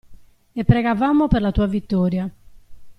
E pregavamo per la tua vittoria.